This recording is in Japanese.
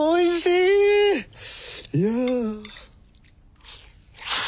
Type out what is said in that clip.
いや。